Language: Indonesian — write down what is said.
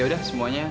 ya udah semuanya